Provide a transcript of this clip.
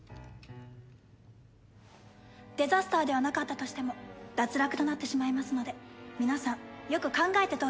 デザスターではなかったとしても脱落となってしまいますので皆さんよく考えて投票してください。